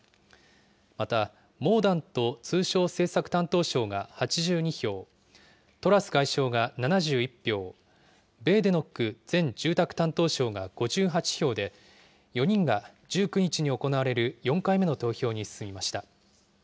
また、モーダント通商政策担当相が８２票、トラス外相が７１票、ベーデノック前住宅担当相が５８票で、４人が１９日に行われる４回目の投票に進みました。